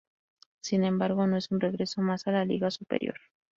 Sin embargo, no es un regreso más a la liga superior.